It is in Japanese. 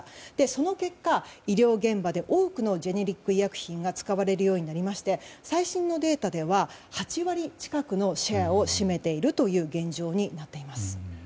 その結果、医療現場で多くのジェネリック医薬品が使われるようになりまして最新のデータでは８割近くのシェアを占めている現状になっています。